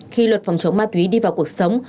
khi luật phòng chống ma túy đi vào cuộc sống